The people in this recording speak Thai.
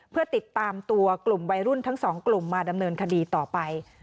เพื่อติดตามตัวกลุ่มวัยรุ่นทั้งสองกลุ่มมาดำเนินคดีต่อไป